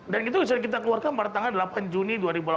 dan itu bisa kita keluarkan pada tanggal delapan juni dua ribu delapan belas